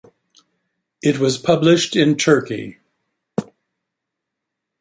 It was published in Turkey.